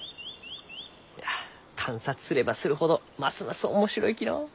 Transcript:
いや観察すればするほどますます面白いきのう。